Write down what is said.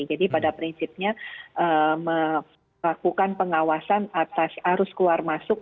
jadi pada prinsipnya melakukan pengawasan atas arus keluar masuk